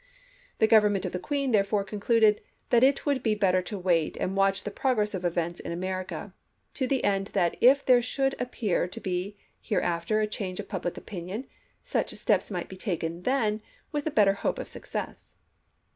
The Government of the Queen therefore concluded that it would be better to wait and watch the progress of events in America, to the end that if there should appear to be hereafter a change of public opinion, such steps might be then taken with a better hope of success.